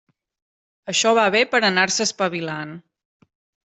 Això va bé per anar-se espavilant.